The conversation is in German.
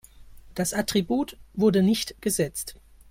Das Attribut wurde nicht gesetzt.